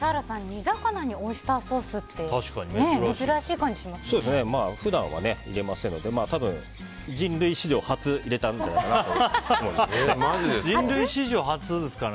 煮魚にオイスターソースって普段は入れませんので多分、人類史上初入れたんじゃないかなと思います。